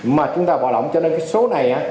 mà chúng ta bỏ lỏng cho nên cái số này